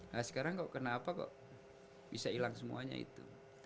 nah sekarang kok kenapa kok bisa hilang semuanya itu